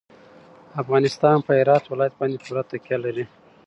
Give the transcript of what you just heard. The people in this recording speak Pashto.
افغانستان په هرات ولایت باندې پوره تکیه لري.